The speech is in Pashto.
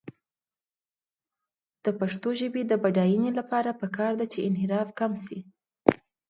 د پښتو ژبې د بډاینې لپاره پکار ده چې انحراف کم شي.